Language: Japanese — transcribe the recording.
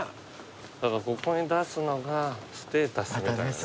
ここに出すのがステータスみたいなね。